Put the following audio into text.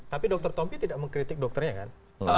tapi dokter tompi tidak mengkritik dokternya kan